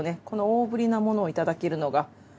この大ぶりなものをいただけるのが。